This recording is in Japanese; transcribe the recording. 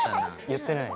言ってない。